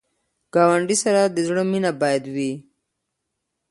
ګاونډي سره د زړه مینه باید وي